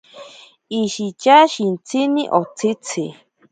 Ishitya shintsini otsitzi.